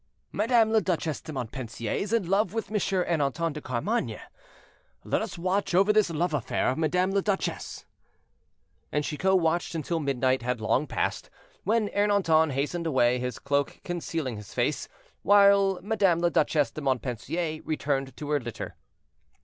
"Madame la Duchesse de Montpensier is in love with Monsieur Ernanton de Carmainges; let us watch over this love affair of Madame la Duchesse." And Chicot watched until midnight had long passed, when Ernanton hastened away, his cloak concealing his face, while Madame la Duchesse de Montpensier returned to her litter.